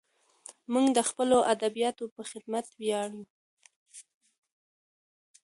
موږ د خپلو ادیبانو په خدمت ویاړو.